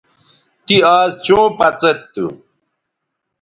تی آز چوں پڅید تھو